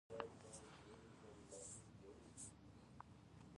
د ګیسټروسکوپي معده ګوري.